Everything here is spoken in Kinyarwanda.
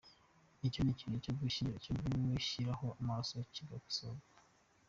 Icyo ni ikintu cyo gushyiraho amaso kigakosorwa.